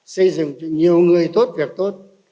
xây dựng nhiều người tốt việc tốt